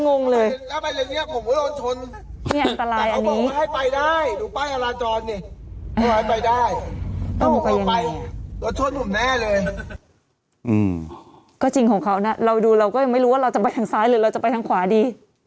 ก็จริงของเขานะเราดูเราก็ยังไม่รู้ว่าเราจะไปทางซ้ายหรือเราจะไปทางขวาดี